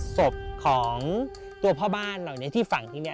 ศพของตัวพ่อบ้านเหล่านี้ที่ฝังที่นี่